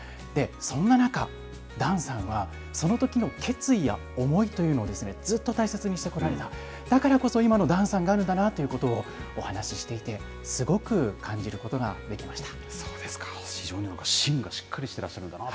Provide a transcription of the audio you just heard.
そんな中、檀さんはそのときの決意や思いというのをずっと大切にしてこられた、だからこそ今の檀さんがあるんだなということをお話していて、すごく感じることができました。